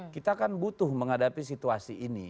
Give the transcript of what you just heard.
kita kan butuh menghadapi situasi ini